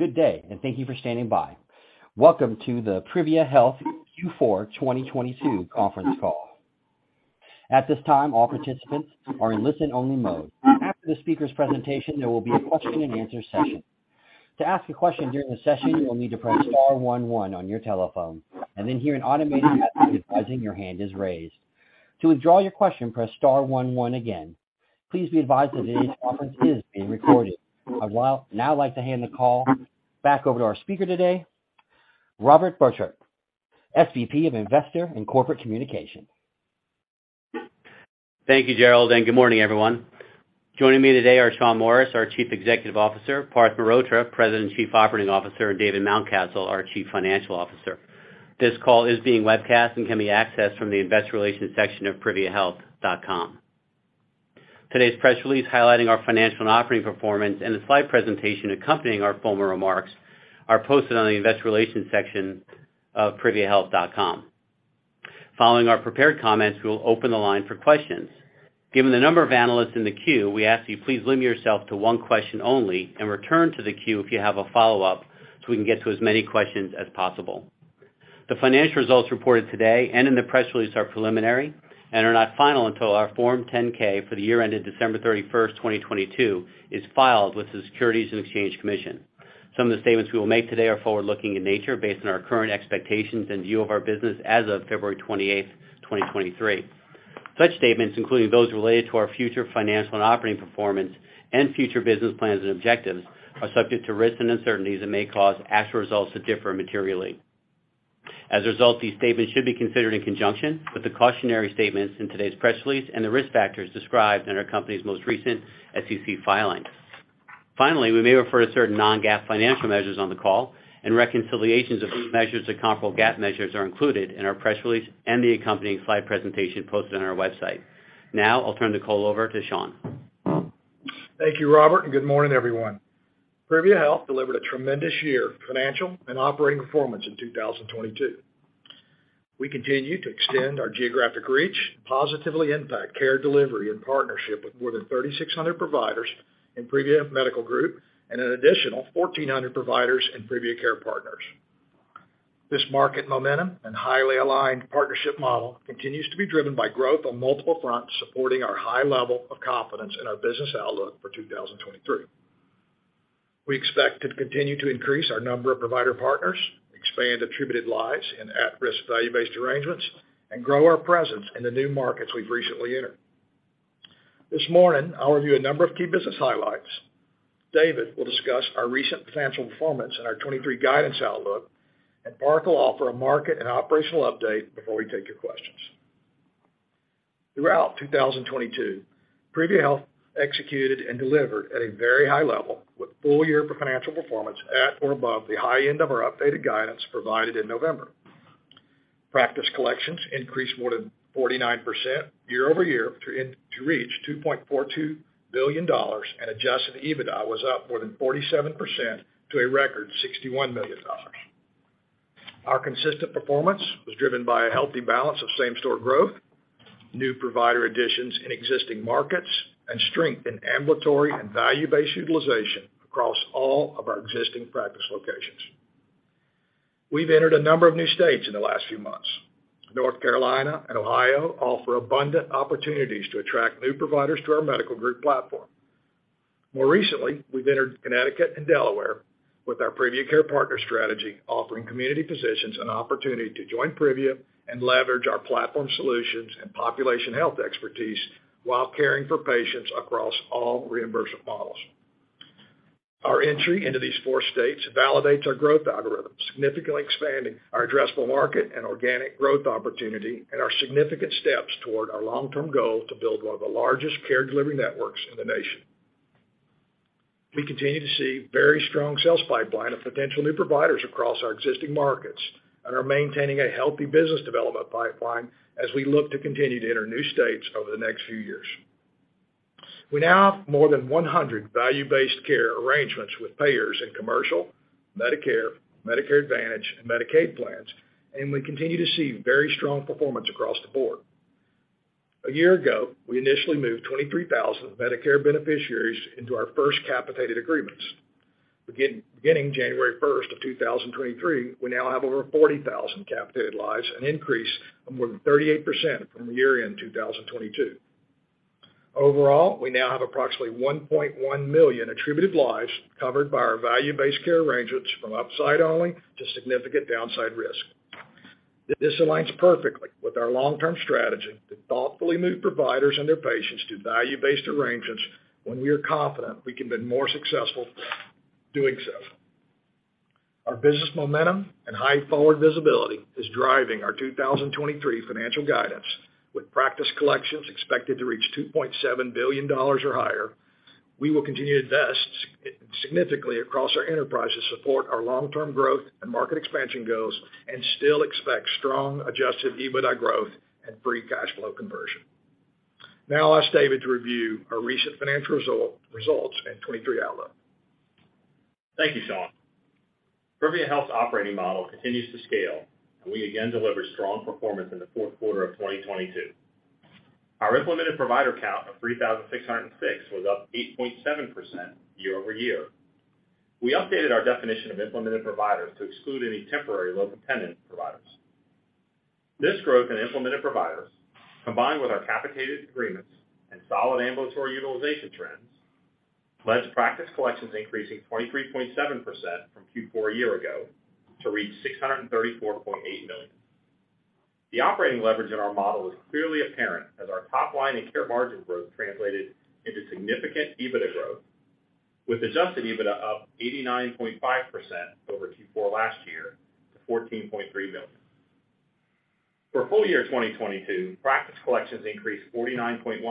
Good day, and thank you for standing by. Welcome to the Privia Health Q4 2022 Conference Call. At this time, all participants are in listen-only mode. After the speaker's presentation, there will be a question-and-answer session. To ask a question during the session, you will need to press star one one on your telephone, and then hear an automated message advising your hand is raised. To withdraw your question, press star one one again. Please be advised that today's conference is being recorded. I'd now like to hand the call back over to our speaker today, Robert Borchert, SVP of Investor and Corporate Communications. Thank you, Gerald, and good morning, everyone. Joining me today are Shawn Morris, our Chief Executive Officer, Parth Mehrotra, President and Chief Operating Officer, and David Mountcastle, our Chief Financial Officer. This call is being webcast and can be accessed from the investor relations section of priviahealth.com. Today's press release highlighting our financial and operating performance and the slide presentation accompanying our formal remarks are posted on the investor relations section of priviahealth.com. Following our prepared comments, we will open the line for questions. Given the number of analysts in the queue, we ask you please limit yourself to one question only and return to the queue if you have a follow-up so we can get to as many questions as possible. The financial results reported today and in the press release are preliminary and are not final until our Form 10-K for the year ended December 31st, 2022 is filed with the Securities and Exchange Commission. Some of the statements we will make today are forward-looking in nature based on our current expectations and view of our business as of February 28th, 2023. Such statements, including those related to our future financial and operating performance and future business plans and objectives, are subject to risks and uncertainties that may cause actual results to differ materially. These statements should be considered in conjunction with the cautionary statements in today's press release and the risk factors described in our company's most recent SEC filings. Finally, we may refer to certain non-GAAP financial measures on the call and reconciliations of these measures to comparable GAAP measures are included in our press release and the accompanying slide presentation posted on our website. Now I'll turn the call over to Shawn. Thank you, Robert, and good morning, everyone. Privia Health delivered a tremendous year of financial and operating performance in 2022. We continue to extend our geographic reach, positively impact care delivery and partnership with more than 3,600 providers in Privia Medical Group and an additional 1,400 providers in Privia Care Partners. This market momentum and highly aligned partnership model continues to be driven by growth on multiple fronts, supporting our high level of confidence in our business outlook for 2023. We expect to continue to increase our number of provider partners, expand attributed lives and at-risk value-based arrangements, and grow our presence in the new markets we've recently entered. This morning, I'll review a number of key business highlights. David will discuss our recent financial performance and our 23 guidance outlook. Parth will offer a market and operational update before we take your questions. Throughout 2022, Privia Health executed and delivered at a very high level with full year financial performance at or above the high end of our updated guidance provided in November. Practice collections increased more than 49% year-over-year to reach $2.42 billion. Adjusted EBITDA was up more than 47% to a record $61 million. Our consistent performance was driven by a healthy balance of same-store growth, new provider additions in existing markets, and strength in ambulatory and value-based utilization across all of our existing practice locations. We've entered a number of new states in the last few months. North Carolina and Ohio offer abundant opportunities to attract new providers to our medical group platform. More recently, we've entered Connecticut and Delaware with our Privia Care Partners strategy, offering community physicians an opportunity to join Privia and leverage our platform solutions and population health expertise while caring for patients across all reimbursement models. Our entry into these four states validates our growth algorithm, significantly expanding our addressable market and organic growth opportunity, and are significant steps toward our long-term goal to build one of the largest care delivery networks in the nation. We continue to see very strong sales pipeline of potential new providers across our existing markets and are maintaining a healthy business development pipeline as we look to continue to enter new states over the next few years. We now have more than 100 value-based care arrangements with payers in commercial, Medicare Advantage, and Medicaid plans, and we continue to see very strong performance across the board. A year ago, we initially moved 23,000 Medicare beneficiaries into our first capitated agreements. Beginning January 1st, 2023, we now have over 40,000 capitated lives, an increase of more than 38% from the year-end 2022. Overall, we now have approximately 1.1 million attributed lives covered by our value-based care arrangements from upside only to significant downside risk. This aligns perfectly with our long-term strategy to thoughtfully move providers and their patients to value-based arrangements when we are confident we can be more successful doing so. Our business momentum and high forward visibility is driving our 2023 financial guidance, with practice collections expected to reach $2.7 billion or higher. We will continue to invest significantly across our enterprise to support our long-term growth and market expansion goals and still expect strong Adjusted EBITDA growth and free cash flow conversion. I'll ask David to review our recent financial results and 2023 outlook. Thank you, Shawn. Privia Health operating model continues to scale, and we again deliver strong performance in the fourth quarter of 2022. Our implemented provider count of 3,606 was up 8.7% year-over-year. We updated our definition of implemented providers to exclude any temporary locum tenens providers. This growth in implemented providers, combined with our capitated agreements and solid ambulatory utilization trends, led to practice collections increasing 23.7% from Q4 a year ago to reach $634.8 million. The operating leverage in our model is clearly apparent as our top line and care margin growth translated into significant EBITDA growth, with Adjusted EBITDA up 89.5% over Q4 last year to $14.3 million. For full year 2022, practice collections increased 49.1%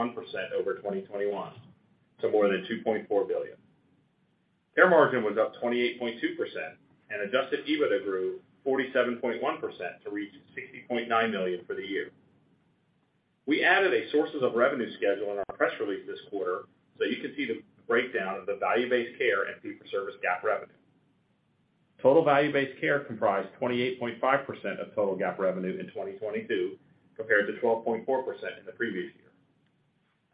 over 2021 to more than $2.4 billion. Care margin was up 28.2%. Adjusted EBITDA grew 47.1% to reach $60.9 million for the year. We added a sources of revenue schedule in our press release this quarter so you can see the breakdown of the value-based care and fee-for-service GAAP revenue. Total value-based care comprised 28.5% of total GAAP revenue in 2022, compared to 12.4% in the previous year.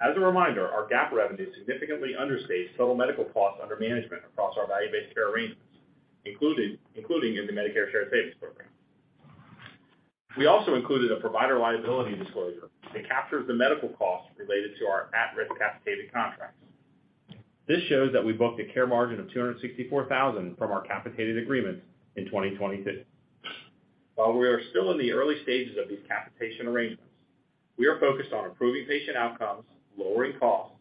As a reminder, our GAAP revenue significantly understates total medical costs under management across our value-based care arrangements, including in the Medicare Shared Savings Program. We also included a provider liability disclosure that captures the medical costs related to our at-risk capitated contracts. This shows that we booked a care margin of $264,000 from our capitated agreements in 2022. While we are still in the early stages of these capitation arrangements, we are focused on improving patient outcomes, lowering costs,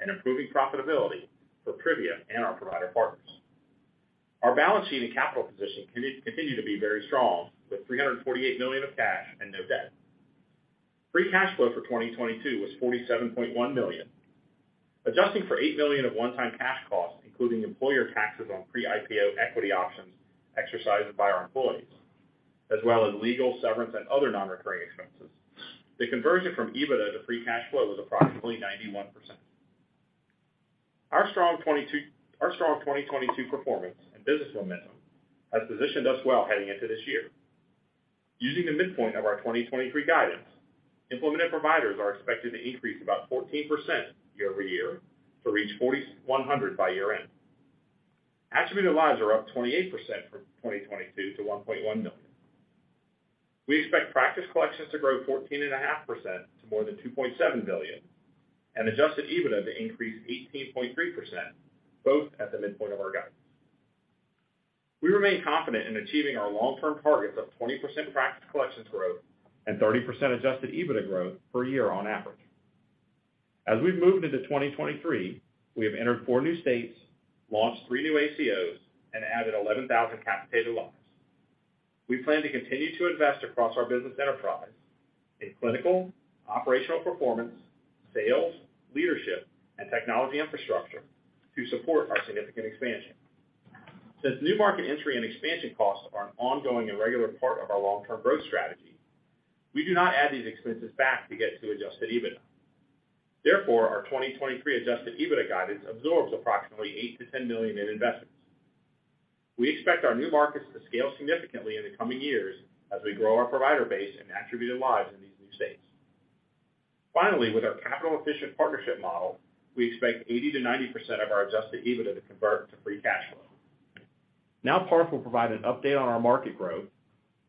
and improving profitability for Privia and our provider partners. Our balance sheet and capital position continue to be very strong with $348 million of cash and no debt. Free cash flow for 2022 was $47.1 million. Adjusting for $8 million of one-time cash costs, including employer taxes on pre-IPO equity options exercised by our employees, as well as legal, severance, and other non-recurring expenses, the conversion from EBITDA to free cash flow was approximately 91%. Our strong 2022 performance and business momentum has positioned us well heading into this year. Using the midpoint of our 2023 guidance, implemented providers are expected to increase about 14% year-over-year to reach 4,100 by year-end. Attributed lives are up 28% from 2022 to 1.1 million. We expect practice collections to grow 14.5% to more than $2.7 billion and Adjusted EBITDA to increase 18.3%, both at the midpoint of our guidance. We remain confident in achieving our long-term targets of 20% practice collections growth and 30% adjusted EBITDA growth per year on average. As we've moved into 2023, we have entered four new states, launched three new ACOs, and added 11,000 capitated lives. We plan to continue to invest across our business enterprise in clinical, operational performance, sales, leadership, and technology infrastructure to support our significant expansion. Since new market entry and expansion costs are an ongoing and regular part of our long-term growth strategy, we do not add these expenses back to get to Adjusted EBITDA. Our 2023 Adjusted EBITDA guidance absorbs approximately $8 million-$10 million in investments. We expect our new markets to scale significantly in the coming years as we grow our provider base and attributed lives in these new states. With our capital-efficient partnership model, we expect 80%-90% of our adjusted EBITDA to convert to free cash flow. Parth will provide an update on our market growth,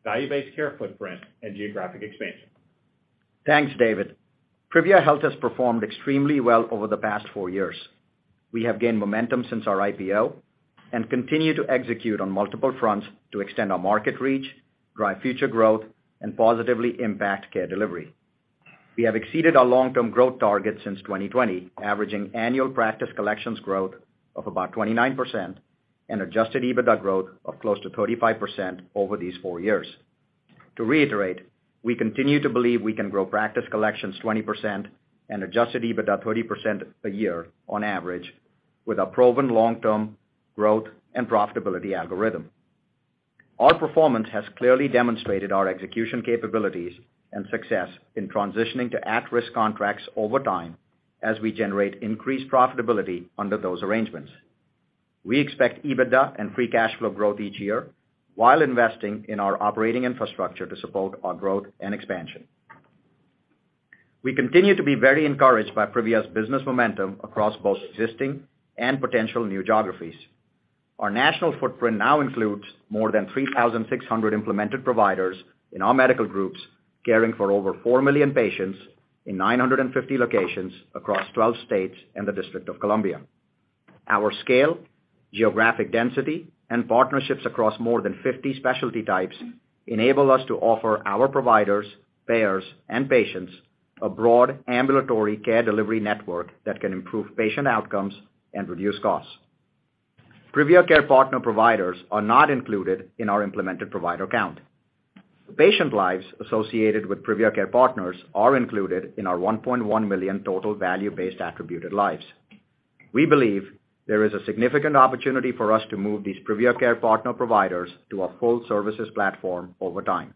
value-based care footprint, and geographic expansion. Thanks, David. Privia Health has performed extremely well over the past four years. We have gained momentum since our IPO and continue to execute on multiple fronts to extend our market reach, drive future growth, and positively impact care delivery. We have exceeded our long-term growth target since 2020, averaging annual practice collections growth of about 29% and Adjusted EBITDA growth of close to 35% over these four years. To reiterate, we continue to believe we can grow practice collections 20% and Adjusted EBITDA 30% a year on average with our proven long-term growth and profitability algorithm. Our performance has clearly demonstrated our execution capabilities and success in transitioning to at-risk contracts over time as we generate increased profitability under those arrangements. We expect EBITDA and free cash flow growth each year while investing in our operating infrastructure to support our growth and expansion. We continue to be very encouraged by Privia's business momentum across both existing and potential new geographies. Our national footprint now includes more than 3,600 implemented providers in our medical groups, caring for over four million patients in 950 locations across 12 states and the District of Columbia. Our scale, geographic density, and partnerships across more than 50 specialty types enable us to offer our providers, payers, and patients a broad ambulatory care delivery network that can improve patient outcomes and reduce costs. Privia Care Partner providers are not included in our implemented provider count. The patient lives associated with Privia Care Partners are included in our 1.1 million total value-based attributed lives. We believe there is a significant opportunity for us to move these Privia Care Partner providers to our full services platform over time.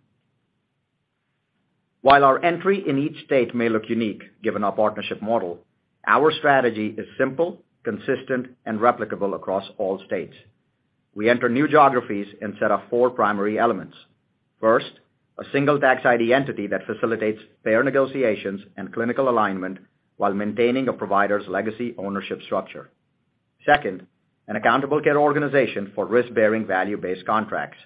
While our entry in each state may look unique, given our partnership model, our strategy is simple, consistent, and replicable across all states. We enter new geographies and set up four primary elements. First, a single tax ID entity that facilitates payer negotiations and clinical alignment while maintaining a provider's legacy ownership structure. Second, an accountable care organization for risk-bearing value-based contracts.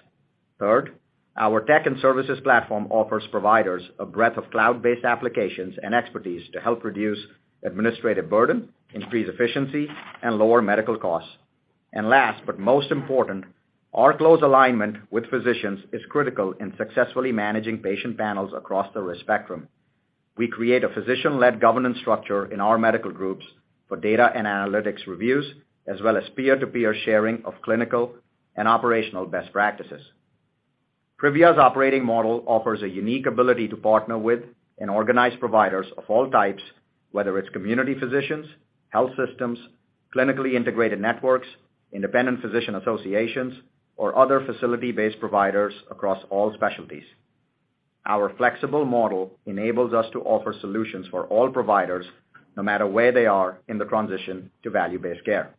Third, our tech and services platform offers providers a breadth of cloud-based applications and expertise to help reduce administrative burden, increase efficiency, and lower medical costs. Last, but most important, our close alignment with physicians is critical in successfully managing patient panels across the risk spectrum. We create a physician-led governance structure in our medical groups for data and analytics reviews, as well as peer-to-peer sharing of clinical and operational best practices. Privia's operating model offers a unique ability to partner with and organize providers of all types, whether it's community physicians, health systems, clinically integrated networks, Independent Physician Associations, or other facility-based providers across all specialties. Our flexible model enables us to offer solutions for all providers, no matter where they are in the transition to value-based care.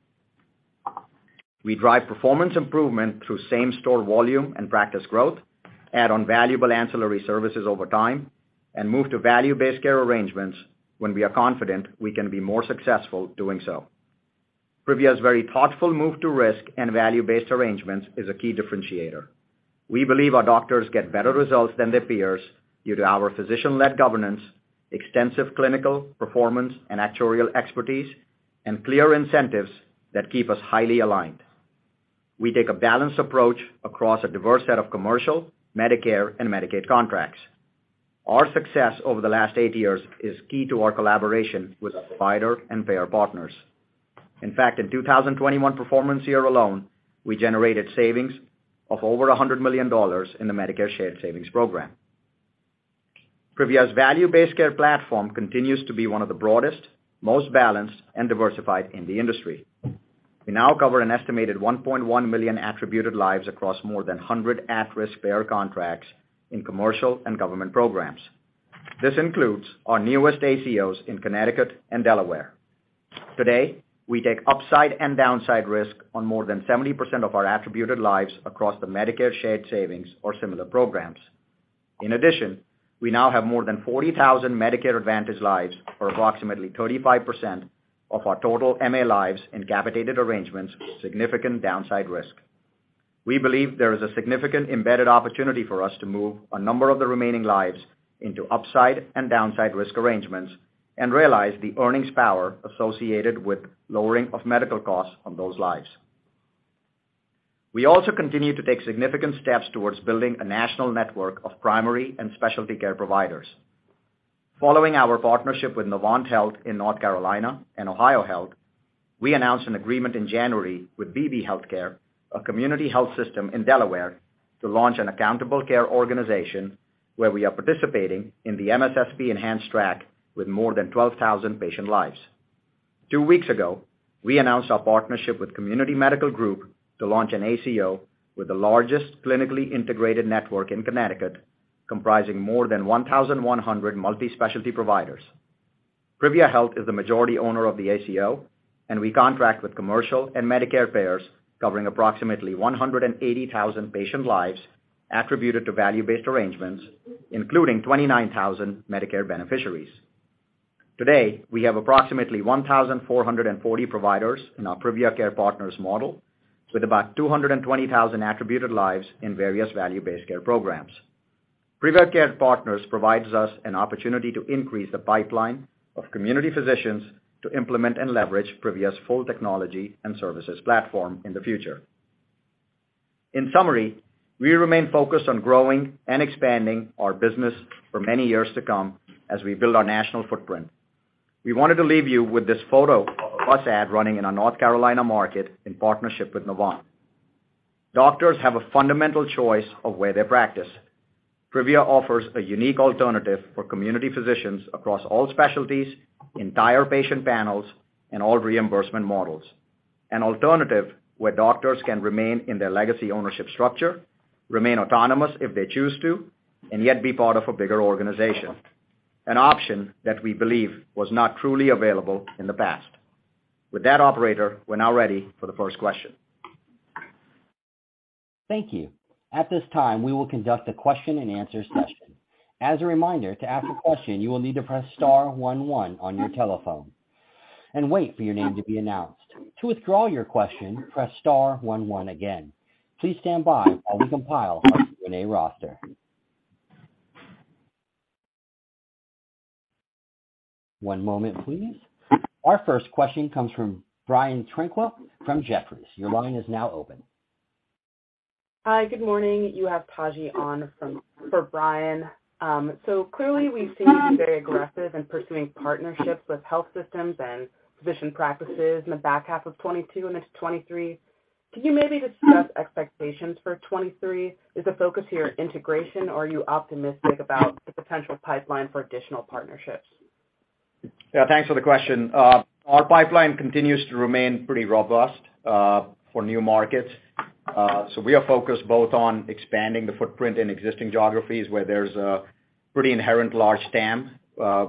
We drive performance improvement through same-store volume and practice growth, add on valuable ancillary services over time, and move to value-based care arrangements when we are confident we can be more successful doing so. Privia's very thoughtful move to risk and value-based arrangements is a key differentiator. We believe our doctors get better results than their peers due to our physician-led governance, extensive clinical performance and actuarial expertise, and clear incentives that keep us highly aligned. We take a balanced approach across a diverse set of commercial, Medicare, and Medicaid contracts. Our success over the last eight years is key to our collaboration with our provider and payer partners. In 2021 performance year alone, we generated savings of over $100 million in the Medicare Shared Savings Program. Privia's value-based care platform continues to be one of the broadest, most balanced, and diversified in the industry. We now cover an estimated 1.1 million attributed lives across more than 100 at-risk payer contracts in commercial and government programs. This includes our newest ACOs in Connecticut and Delaware. Today, we take upside and downside risk on more than 70% of our attributed lives across the Medicare Shared Savings or similar programs. We now have more than 40,000 Medicare Advantage lives, or approximately 35% of our total MA lives in capitated arrangements with significant downside risk. We believe there is a significant embedded opportunity for us to move a number of the remaining lives into upside and downside risk arrangements and realize the earnings power associated with lowering of medical costs on those lives. We also continue to take significant steps towards building a national network of primary and specialty care providers. Following our partnership with Novant Health in North Carolina and OhioHealth, we announced an agreement in January with Beebe Healthcare, a community health system in Delaware, to launch an accountable care organization where we are participating in the MSSP enhanced track with more than 12,000 patient lives. Two weeks ago, we announced our partnership with Community Medical Group to launch an ACO with the largest clinically integrated network in Connecticut, comprising more than 1,100 multi-specialty providers. Privia Health is the majority owner of the ACO, and we contract with commercial and Medicare payers covering approximately 180,000 patient lives attributed to value-based arrangements, including 29,000 Medicare beneficiaries. Today, we have approximately 1,440 providers in our Privia Care Partners model, with about 220,000 attributed lives in various value-based care programs. Privia Care Partners provides us an opportunity to increase the pipeline of community physicians to implement and leverage Privia's full technology and services platform in the future. In summary, we remain focused on growing and expanding our business for many years to come as we build our national footprint. We wanted to leave you with this photo of a bus ad running in our North Carolina market in partnership with Novant. Doctors have a fundamental choice of where they practice. Privia offers a unique alternative for community physicians across all specialties, entire patient panels, and all reimbursement models. An alternative where doctors can remain in their legacy ownership structure, remain autonomous if they choose to, and yet be part of a bigger organization. An option that we believe was not truly available in the past. With that, operator, we're now ready for the first question. Thank you. At this time, we will conduct a question-and-answer session. As a reminder, to ask a question, you will need to press star one one on your telephone and wait for your name to be announced. To withdraw your question, press star one one again. Please stand by while we compile our Q&A roster. One moment, please. Our first question comes from Brian Tanquilut from Jefferies. Your line is now open. Hi. Good morning. You have Taji on for Brian. Clearly we've seen you be very aggressive in pursuing partnerships with health systems and physician practices in the back half of 2022 and into 2023. Can you maybe discuss expectations for 2023? Is the focus here integration, or are you optimistic about the potential pipeline for additional partnerships? Thanks for the question. Our pipeline continues to remain pretty robust for new markets. We are focused both on expanding the footprint in existing geographies where there's a pretty inherent large stamp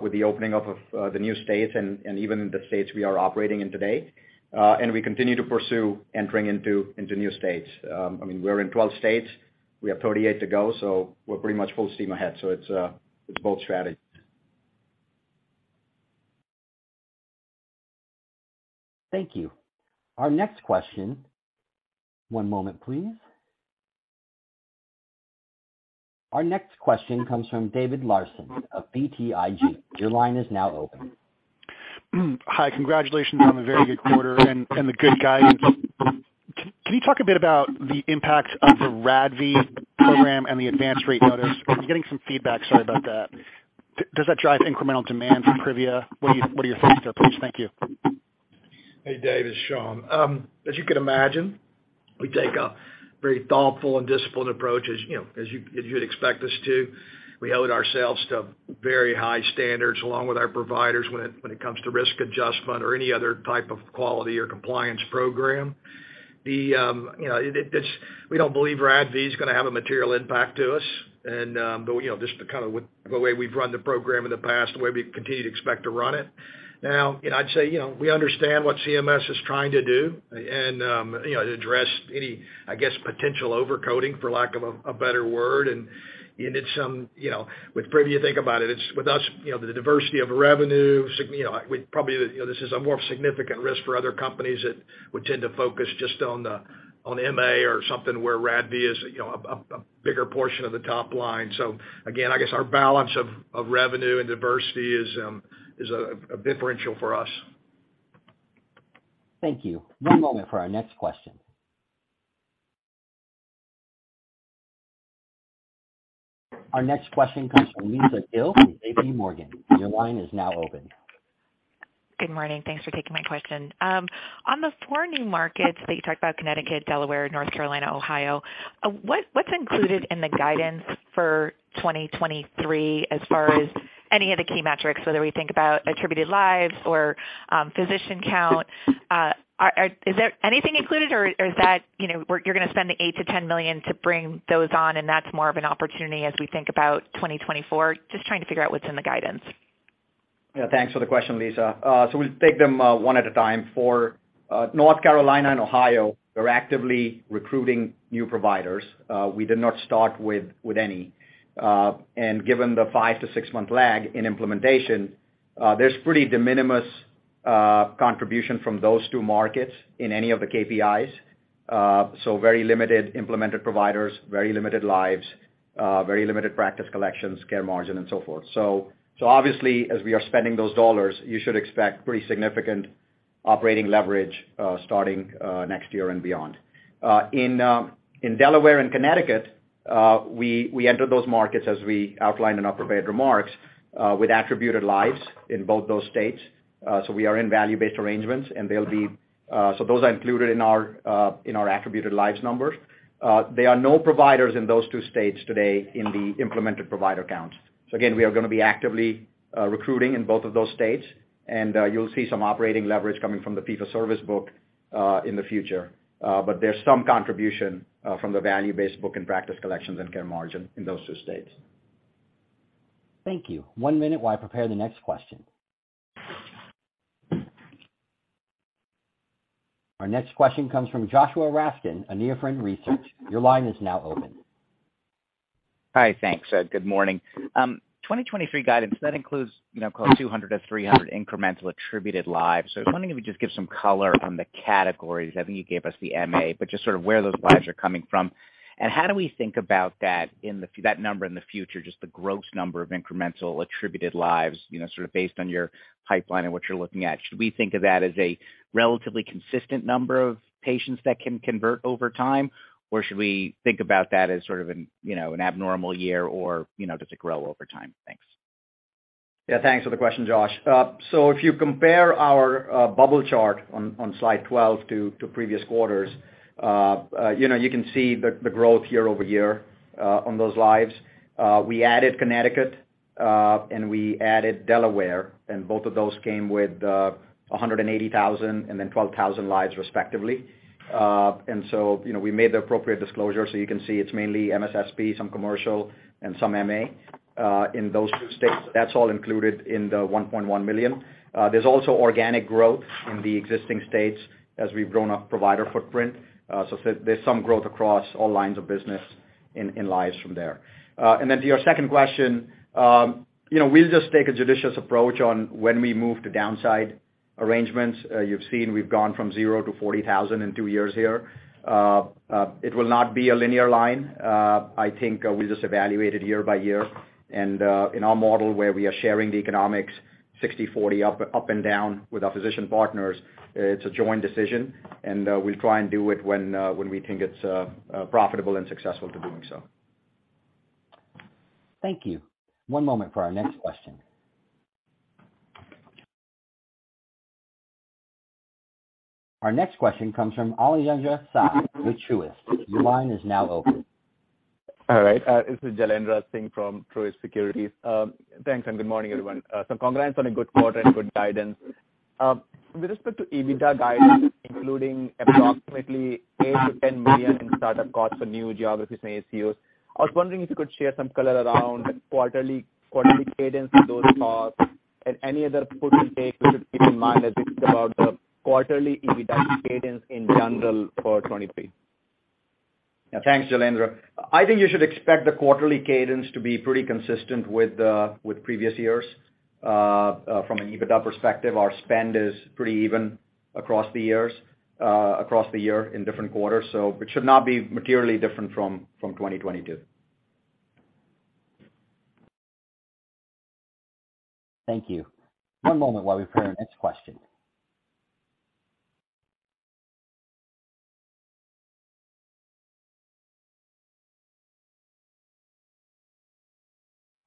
with the opening up of the new states and even the states we are operating in today. We continue to pursue entering into new states. I mean, we're in 12 states, we have 38 to go, so we're pretty much full steam ahead. It's both strategies. Thank you. Our next question... One moment, please. Our next question comes from David Larsen of BTIG. Your line is now open. Hi. Congratulations on the very good quarter and the good guidance. Can you talk a bit about the impact of the RADV program and the advanced rate notice? I'm getting some feedback, sorry about that. Does that drive incremental demand for Privia? What are your thoughts there, please? Thank you. Hey, Dave, it's Shawn. As you can imagine, we take a very thoughtful and disciplined approach, as, you know, as you'd expect us to. We hold ourselves to very high standards along with our providers when it comes to risk adjustment or any other type of quality or compliance program. You know, it's we don't believe RADV is gonna have a material impact to us. But, you know, just kind of with the way we've run the program in the past, the way we continue to expect to run it. I'd say, you know, we understand what CMS is trying to do and, you know, to address any, I guess, potential over-coding, for lack of a better word. You did some, you know, with Privia, think about it's with us, you know, the diversity of revenue, you know, we probably, you know, this is a more significant risk for other companies that would tend to focus just on MA or something where RADV is, you know, a bigger portion of the top line. Again, I guess our balance of revenue and diversity is a differential for us. Thank you. One moment for our next question. Our next question comes from Lisa Gill from JPMorgan. Your line is now open. Good morning. Thanks for taking my question. On the four new markets that you talked about, Connecticut, Delaware, North Carolina, Ohio, what's included in the guidance for 2023 as far as any of the key metrics, whether we think about attributed lives or physician count. Is there anything included or is that, you know, where you're gonna spend the $8 million-$10 million to bring those on and that's more of an opportunity as we think about 2024? Just trying to figure out what's in the guidance. Thanks for the question, Lisa. We'll take them one at a time. For North Carolina and Ohio, we're actively recruiting new providers. We did not start with any. Given the five to six month lag in implementation, there's pretty de minimis contribution from those two markets in any of the KPIs. Very limited implemented providers, very limited lives, very limited practice collections, care margin, and so forth. Obviously, as we are spending those dollars, you should expect pretty significant operating leverage starting next year and beyond. In Delaware and Connecticut, we entered those markets, as we outlined in our prepared remarks, with attributed lives in both those states. We are in value-based arrangements, so those are included in our attributed lives numbers. There are no providers in those two states today in the implemented provider counts. Again, we are gonna be actively recruiting in both of those states, and you'll see some operating leverage coming from the fee-for-service book in the future. There's some contribution from the value-based book and practice collections and care margin in those two states. Thank you. One minute while I prepare the next question. Our next question comes from Joshua Raskin, Nephron Research. Your line is now open. Hi. Thanks. Good morning. 2023 guidance, that includes, you know, call it 200-300 incremental attributed lives. I was wondering if you could just give some color on the categories. I think you gave us the MA, but just sort of where those lives are coming from. How do we think about that number in the future, just the gross number of incremental attributed lives, you know, sort of based on your pipeline and what you're looking at. Should we think of that as a relatively consistent number of patients that can convert over time? Should we think about that as sort of an, you know, an abnormal year or, you know, does it grow over time? Thanks. Yeah, thanks for the question, Josh. If you compare our bubble chart on slide 12 to previous quarters, you know, you can see the growth year-over-year on those lives. We added Connecticut, and we added Delaware, and both of those came with 180,000 and then 12,000 lives respectively. You know, we made the appropriate disclosure, so you can see it's mainly MSSP, some commercial, and some MA in those two states. That's all included in the 1.1 million. There's also organic growth in the existing states as we've grown our provider footprint. There's some growth across all lines of business in lives from there. Then to your second question, you know, we'll just take a judicious approach on when we move to downside arrangements. You've seen we've gone from 0 to 40,000 in two years here. It will not be a linear line. I think we just evaluate it year by year. In our model where we are sharing the economics 60-40 up and down with our physician partners, it's a joint decision, and we'll try and do it when we think it's profitable and successful to doing so. Thank you. One moment for our next question. Our next question comes from [Jailendra Singh] with Truist. Your line is now open. All right, this is Jailendra Singh from Truist Securities. Thanks and good morning, everyone. Congrats on a good quarter and good guidance. With respect to EBITDA guidance, including approximately $8 million-$10 million in startup costs for new geographies and ACOs, I was wondering if you could share some color around quarterly cadence of those costs and any other puts and takes we should keep in mind as we think about the quarterly EBITDA cadence in general for 2023. Thanks, Jailendra. I think you should expect the quarterly cadence to be pretty consistent with previous years. From an EBITDA perspective, our spend is pretty even across the year in different quarters, so it should not be materially different from 2022. Thank you. One moment while we prepare the next question.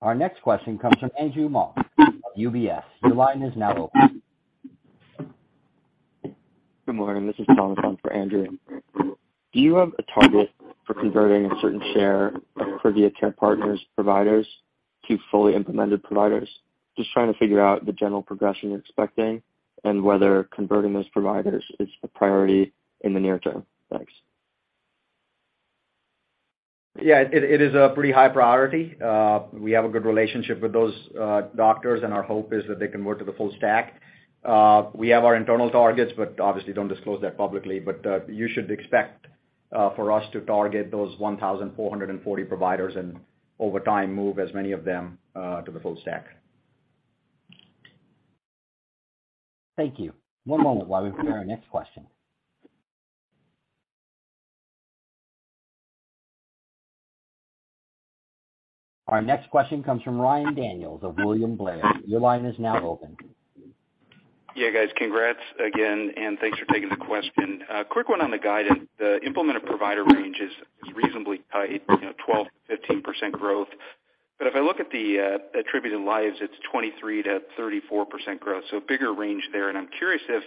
Our next question comes from Andrew Mok of UBS. Your line is now open. Good morning. This is Jonathan for Andrew. Do you have a target for converting a certain share of Privia Care Partners providers to fully implemented providers? Just trying to figure out the general progression you're expecting and whether converting those providers is the priority in the near term. Thanks. Yeah, it is a pretty high priority. We have a good relationship with those doctors, and our hope is that they convert to the full stack. We have our internal targets, but obviously don't disclose that publicly. You should expect for us to target those 1,440 providers and over time, move as many of them to the full stack. Thank you. One moment while we prepare our next question. Our next question comes from Ryan Daniels of William Blair. Your line is now open. Guys. Congrats again, thanks for taking the question. Quick one on the guidance. The implemented provider range is reasonably tight, you know, 12%-15% growth. If I look at the attributed lives, it's 23%-34% growth, a bigger range there. I'm curious if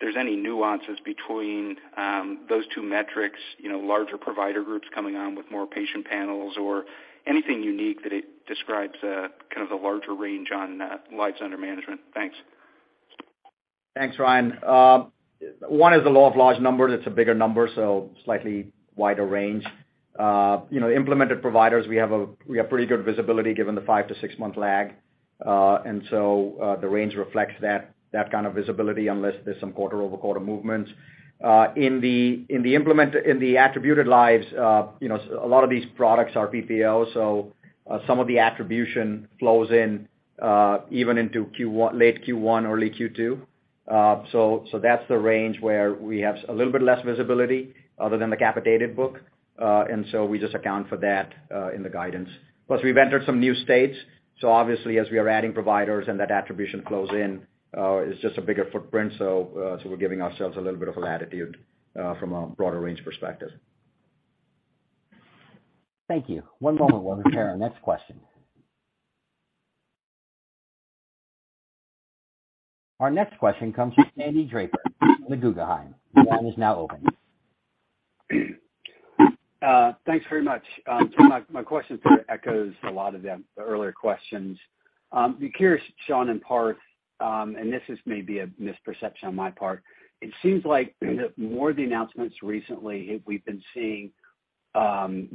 there's any nuances between those two metrics, you know, larger provider groups coming on with more patient panels or anything unique that it describes kind of the larger range on lives under management. Thanks. Thanks, Ryan. One is the law of large numbers. It's a bigger number. Slightly wider range. You know, implemented providers, we have pretty good visibility given the five to six month lag. The range reflects that kind of visibility unless there's some quarter-over-quarter movements. In the attributed lives, you know, a lot of these products are PPO. Some of the attribution flows in even into late Q1, early Q2. That's the range where we have a little bit less visibility other than the capitated book, we just account for that in the guidance. Plus, we've entered some new states, so obviously as we are adding providers and that attribution flows in, it's just a bigger footprint. We're giving ourselves a little bit of a latitude, from a broader range perspective. Thank you. One moment while we prepare our next question. Our next question comes from Sandy Draper with Guggenheim. Your line is now open. Thanks very much. My question sort of echoes a lot of the earlier questions. Be curious, Shawn and Parth, and this is maybe a misperception on my part. It seems like the more the announcements recently have we been seeing,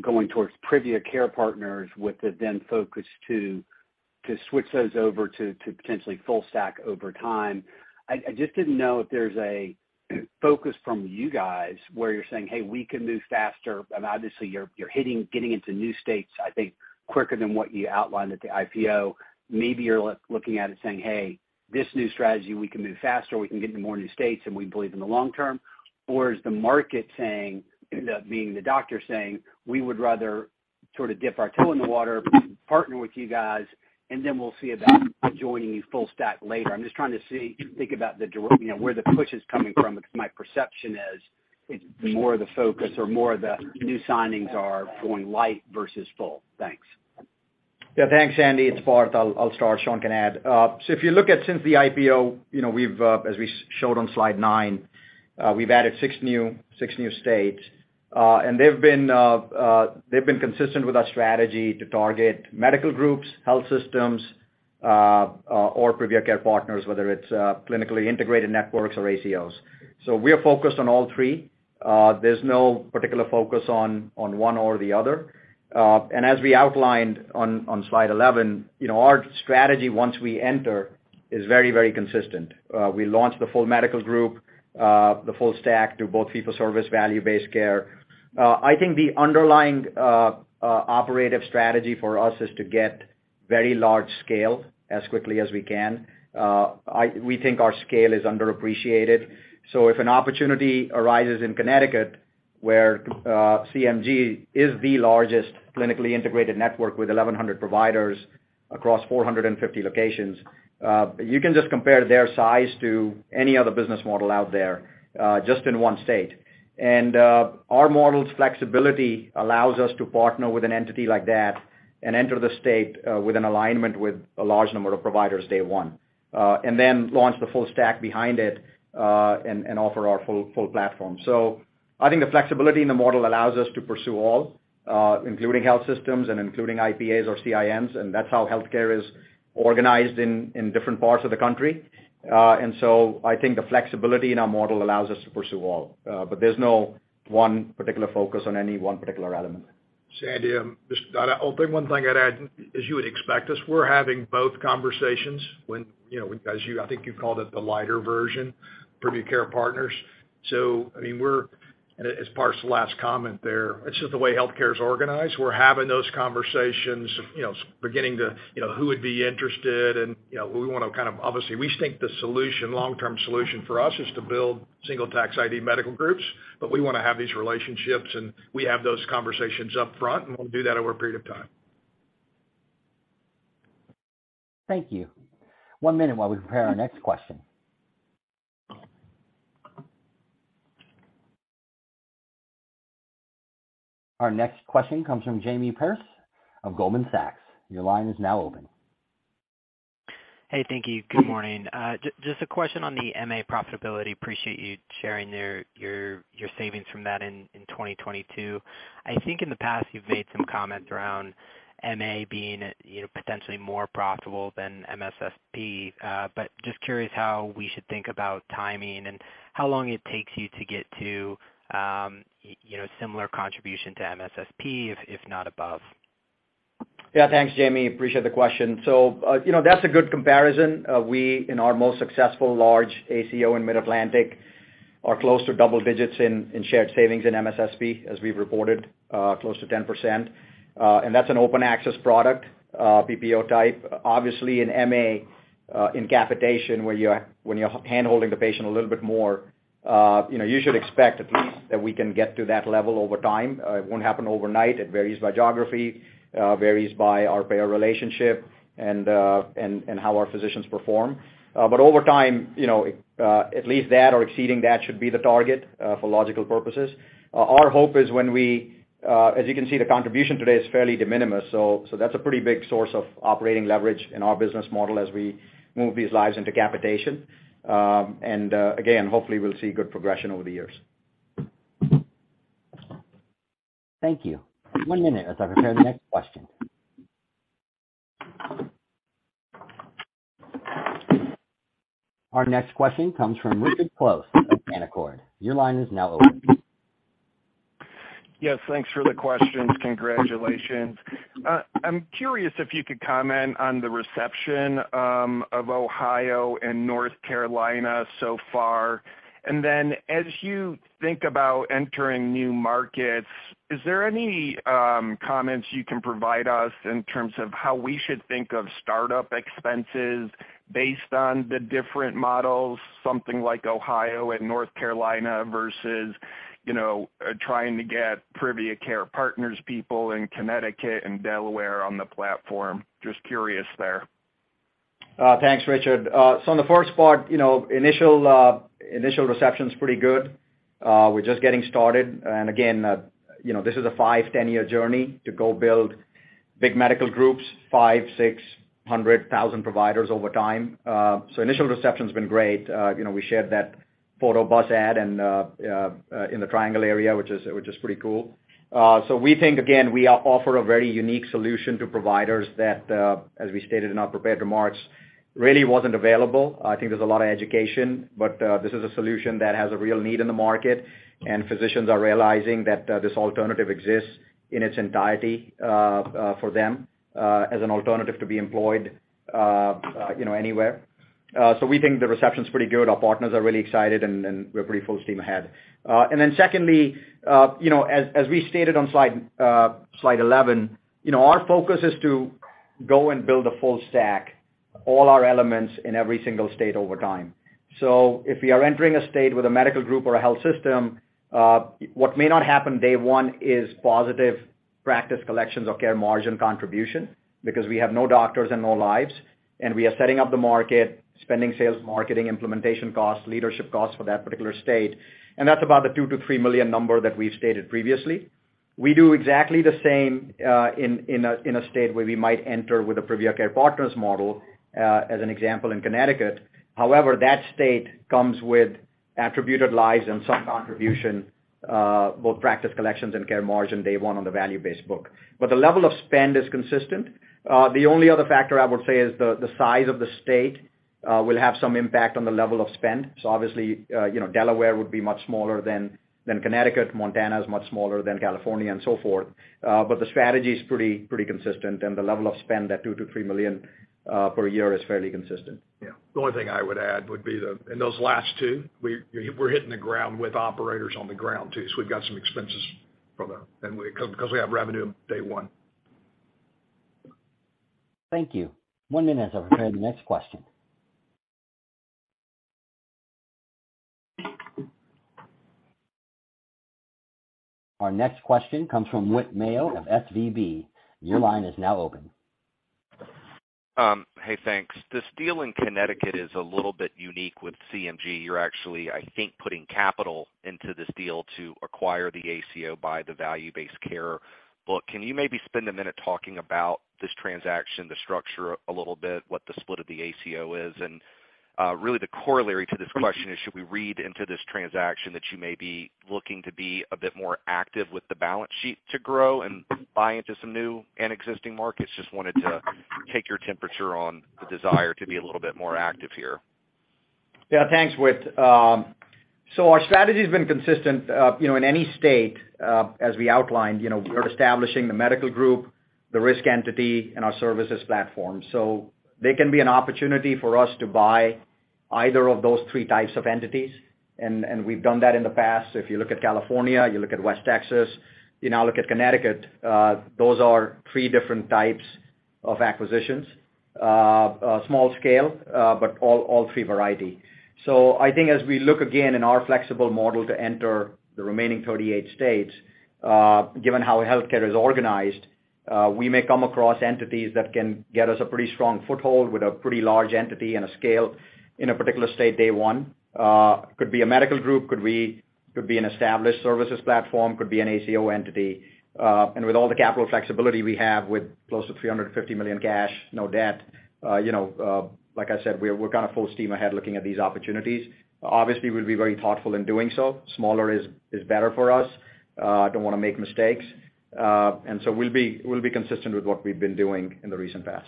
going towards Privia Care Partners with the then focus to switch those over to potentially full stack over time. I just didn't know if there's a focus from you guys where you're saying, "Hey, we can move faster." Obviously you're getting into new states, I think quicker than what you outlined at the IPO. Maybe you're looking at it saying, "Hey, this new strategy, we can move faster, we can get into more new states, and we believe in the long term." Is the market saying, the doctor saying, "We would rather sort of dip our toe in the water, partner with you guys, and then we'll see about joining you full stack later?" I'm just trying to see, think about the you know, where the push is coming from because my perception is it's more the focus or more of the new signings are going light versus full. Thanks. Thanks, Sandy. It's Parth. I'll start. Shawn can add. If you look at since the IPO, you know, we've as we showed on slide 9, we've added six new states. They've been consistent with our strategy to target medical groups, health systems, or Privia Care Partners, whether it's clinically integrated networks or ACOs. We are focused on all three. There's no particular focus on one or the other. As we outlined on slide 11, you know, our strategy once we enter is very, very consistent. We launch the full medical group, the full stack, do both fee-for-service, value-based care. I think the underlying operative strategy for us is to get very large scale as quickly as we can. We think our scale is underappreciated. If an opportunity arises in Connecticut, where CMG is the largest clinically integrated network with 1,100 providers across 450 locations, you can just compare their size to any other business model out there, just in one state. Our model's flexibility allows us to partner with an entity like that and enter the state with an alignment with a large number of providers day one, and then launch the full stack behind it, and offer our full platform. I think the flexibility in the model allows us to pursue all, including health systems and including IPAs or CINs, and that's how healthcare is organized in different parts of the country. I think the flexibility in our model allows us to pursue all, but there's no one particular focus on any one particular element. Sandy, just, I'll add one thing. As you would expect us, we're having both conversations when, you know, as you, I think you called it the lighter version, Privia Care Partners. I mean, we're and as Parth's last comment there, it's just the way healthcare is organized. We're having those conversations, you know, beginning to, you know, who would be interested and, you know, we wanna, obviously, we think the solution, long-term solution for us is to build single tax ID medical groups, but we wanna have these relationships, and we have those conversations upfront, and we'll do that over a period of time. Thank you. One minute while we prepare our next question. Our next question comes from Jamie Perse of Goldman Sachs. Your line is now open. Hey, thank you. Good morning. Just a question on the MA profitability. Appreciate you sharing your savings from that in 2022. I think in the past, you've made some comments around MA being, you know, potentially more profitable than MSSP. Just curious how we should think about timing and how long it takes you to get to, you know, similar contribution to MSSP, if not above. Yeah, thanks, Jamie. Appreciate the question. You know, that's a good comparison. We, in our most successful large ACO in Mid-Atlantic, are close to double digits in shared savings in MSSP, as we've reported, close to 10%. That's an open access product, PPO type. Obviously, in MA, in capitation, where you're handholding the patient a little bit more, you know, you should expect at least that we can get to that level over time. It won't happen overnight. It varies by geography, varies by our payer relationship and how our physicians perform. Over time, you know, at least that or exceeding that should be the target for logical purposes. Our hope is as you can see, the contribution today is fairly de minimis. That's a pretty big source of operating leverage in our business model as we move these lives into capitation. Again, hopefully we'll see good progression over the years. Thank you. One minute as I prepare the next question. Our next question comes from Richard Close of Canaccord Genuity. Your line is now open. Yes, thanks for the questions. Congratulations. I'm curious if you could comment on the reception of Ohio and North Carolina so far. As you think about entering new markets, is there any comments you can provide us in terms of how we should think of startup expenses based on the different models, something like Ohio and North Carolina versus, you know, trying to get Privia Care Partners people in Connecticut and Delaware on the platform? Just curious there. Thanks, Richard. On the first part, you know, initial reception's pretty good. We're just getting started. Again, you know, this is a five, 10-year journey to go build big medical groups, 500,000-600,000 providers over time. Initial reception's been great. You know, we shared that photo bus ad in the triangle area, which is pretty cool. We think, again, we offer a very unique solution to providers that, as we stated in our prepared remarks, really wasn't available. I think there's a lot of education, but this is a solution that has a real need in the market, and physicians are realizing that this alternative exists in its entirety for them as an alternative to be employed, you know, anywhere. So we think the reception's pretty good. Our partners are really excited and we're pretty full steam ahead. Secondly, you know, as we stated on slide 11, you know, our focus is to go and build a full stack, all our elements in every single state over time. If we are entering a state with a medical group or a health system, what may not happen day one is positive practice collections or care margin contribution because we have no doctors and no lives, and we are setting up the market, spending sales, marketing, implementation costs, leadership costs for that particular state. That's about the $2 million-$3 million number that we've stated previously. We do exactly the same in a state where we might enter with a Privia Care Partners model, as an example in Connecticut. However, that state comes with attributed lives and some contribution, both practice collections and care margin day one on the value-based book. The level of spend is consistent. The only other factor I would say is the size of the state will have some impact on the level of spend. Obviously, you know, Delaware would be much smaller than Connecticut. Montana is much smaller than California and so forth. The strategy is pretty consistent and the level of spend, that $2 million-$3 million per year is fairly consistent. Yeah. The only thing I would add would be the, in those last two, we're hitting the ground with operators on the ground too. We've got some expenses because we have revenue day one. Thank you. One minute as I prepare the next question. Our next question comes from Whit Mayo of SVB. Your line is now open. Hey, thanks. This deal in Connecticut is a little bit unique with CMG. You're actually, I think, putting capital into this deal to acquire the ACO by the value-based care book. Can you maybe spend a minute talking about this transaction, the structure a little bit, what the split of the ACO is? Really the corollary to this question is, should we read into this transaction that you may be looking to be a bit more active with the balance sheet to grow and buy into some new and existing markets? Just wanted to take your temperature on the desire to be a little bit more active here. Yeah, thanks, Whit. Our strategy has been consistent, you know, in any state, as we outlined, you know, we're establishing the medical group, the risk entity, and our services platform. There can be an opportunity for us to buy either of those three types of entities, and we've done that in the past. If you look at California, you look at West Texas, you now look at Connecticut, those are three different types of acquisitions. Small scale, but all three variety. I think as we look again in our flexible model to enter the remaining 38 states, given how healthcare is organized, we may come across entities that can get us a pretty strong foothold with a pretty large entity and a scale in a particular state day 1. Could be a medical group, could be an established services platform, could be an ACO entity. With all the capital flexibility we have with close to $350 million cash, no debt, you know, like I said, we're kind of full steam ahead looking at these opportunities. Obviously, we'll be very thoughtful in doing so. Smaller is better for us. Don't wanna make mistakes. We'll be consistent with what we've been doing in the recent past.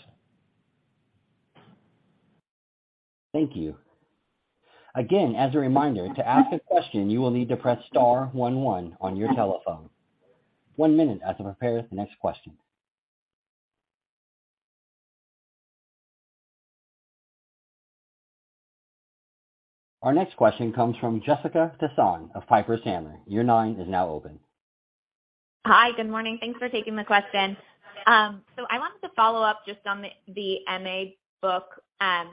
Thank you. Again, as a reminder, to ask a question, you will need to press star one one on your telephone. One minute as I prepare the next question. Our next question comes from Jessica Tassan of Piper Sandler. Your line is now open. Hi. Good morning. Thanks for taking the question. I wanted to follow up just on the MA book.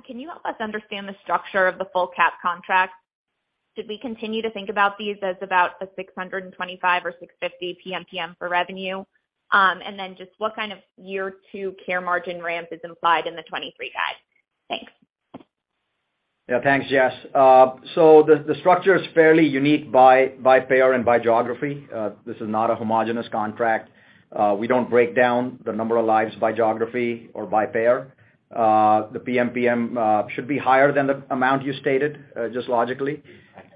Can you help us understand the structure of the full cap contract? Should we continue to think about these as about a $625 or $650 PMPM for revenue? What kind of year two care margin ramp is implied in the 2023 guide? Thanks. Yeah, thanks, Jess. The structure is fairly unique by payer and by geography. We don't break down the number of lives by geography or by payer. The PMPM should be higher than the amount you stated, just logically,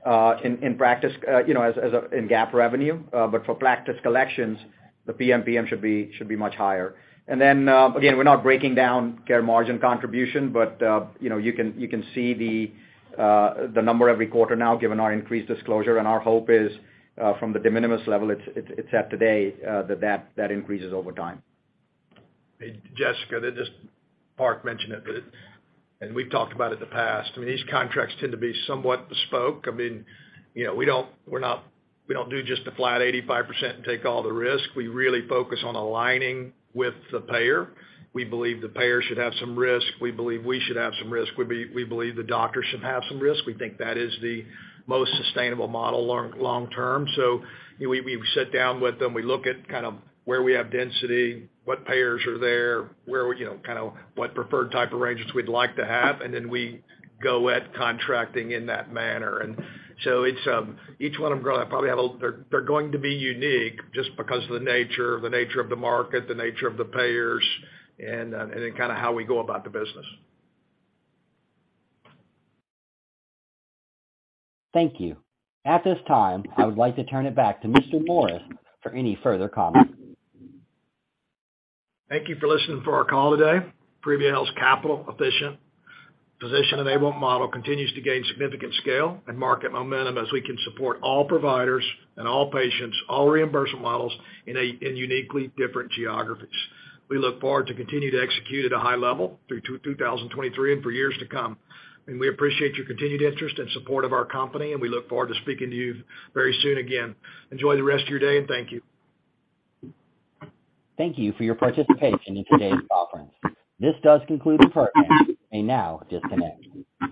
in practice, you know, as in GAAP revenue. For practice collections, the PMPM should be much higher. Again, we're not breaking down care margin contribution, you know, you can see the number every quarter now, given our increased disclosure. Our hope is, from the de minimis level it's at today, that increases over time. Jessica, this is Parth mentioned it, but and we've talked about it in the past. I mean, these contracts tend to be somewhat bespoke. I mean, you know, we don't, we're not, we don't do just a flat 85% and take all the risk. We really focus on aligning with the payer. We believe the payer should have some risk. We believe we should have some risk. We believe the doctor should have some risk. We think that is the most sustainable model long term. You know, we sit down with them. We look at kind of where we have density, what payers are there, where we, you know, kind of what preferred type arrangements we'd like to have, and then we go at contracting in that manner. It's, each one of them probably they're going to be unique just because of the nature, the nature of the market, the nature of the payers, and then kind of how we go about the business. Thank you. At this time, I would like to turn it back to Mr. Morris for any further comments. Thank you for listening for our call today. Privia Health's capital efficient physician-enabled model continues to gain significant scale and market momentum as we can support all providers and all patients, all reimbursement models in uniquely different geographies. We look forward to continue to execute at a high level through 2023 and for years to come. We appreciate your continued interest and support of our company, and we look forward to speaking to you very soon again. Enjoy the rest of your day, and thank you. Thank you for your participation in today's conference. This does conclude the program. You may now disconnect.